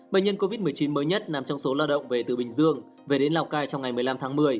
bệnh nhân covid một mươi chín mới nhất nằm trong số lao động về từ bình dương về đến lào cai trong ngày một mươi năm tháng một mươi